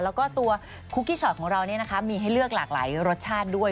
แล้วก็ตัวคุกกี้ชอตของเรามีให้เลือกหลากหลายรสชาติด้วย